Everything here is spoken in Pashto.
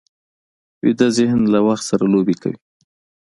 ویده ذهن له وخت سره لوبې کوي